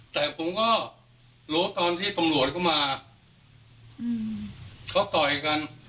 แต่ผมก็รู้ตอนที่ตำรวจเข้ามาเขาต่อยกัน